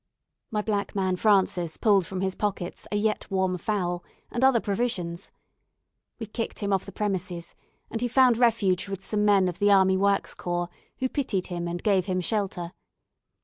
My black man, Francis, pulled from his pockets a yet warm fowl, and other provisions. We kicked him off the premises, and he found refuge with some men of the Army Works Corps, who pitied him and gave him shelter.